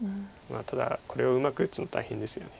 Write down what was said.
ただこれをうまく打つの大変ですよね。